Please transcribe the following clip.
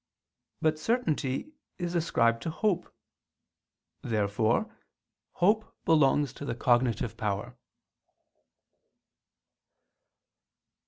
But certainty is ascribed to hope. Therefore hope belongs to the cognitive power.